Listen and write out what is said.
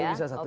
itu bisa satu